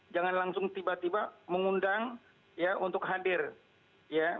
jangan langsung tiba tiba mengundang ya untuk hadir ya